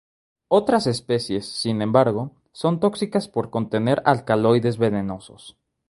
Otras especies, sin embargo, son tóxicas por contener alcaloides venenosos.